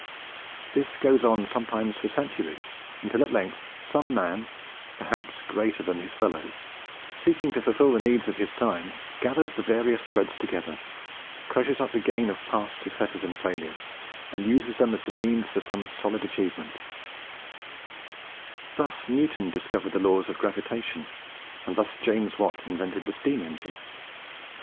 This goes on sometimes for centuries, until at length some man, greater perhaps than his fellows, seeking to fulfil the needs of his time, gathers the various threads together, treasures up the gain of past successes and failures, and uses them as the means for some solid achievement, Thus Newton discovered the law of gravitation, and thus James Watt invented the steam engine.